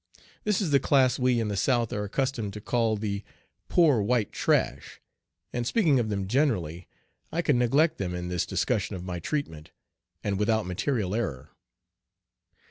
This is the class we in the South are accustomed to call the "poor white trash," and speaking of them generally I can neglect them in this discussion of my treatment, and without material error.